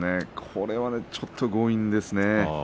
これはちょっと強引ですね。